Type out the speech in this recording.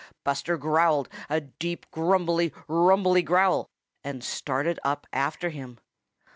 Buster growled a deep, grumbly, rumbly growl and started up after him.